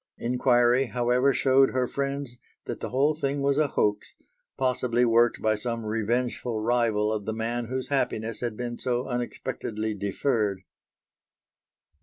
Inquiry, however, showed her friends that the whole thing was a hoax possibly worked by some revengeful rival of the man whose happiness had been so unexpectedly deferred.